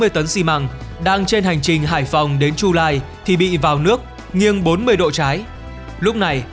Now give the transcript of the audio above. một tấn xi mặng đang trên hành trình hải phòng đến chu lai thì bị vào nước nghiêng bốn mươi độ trái lúc này